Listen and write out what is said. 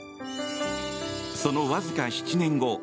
そのわずか７年後。